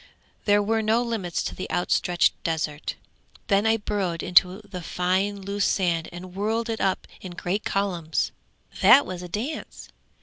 There were no limits to the outstretched desert. Then I burrowed into the fine loose sand and whirled it up in great columns that was a dance!